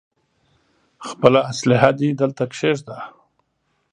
خپله اسلاحه دې دلته کېږده.